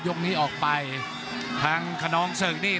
นี้ออกไปทางขนองเสริงนี่